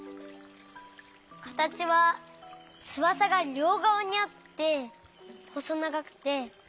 かたちはつばさがりょうがわにあってほそながくて。